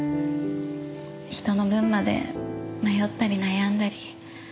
人の分まで迷ったり悩んだり。